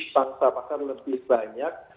paksa paksa lebih banyak